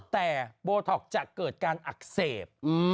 แต่โบท็อกฟิลเลอร์จะเกิดการอักเสบ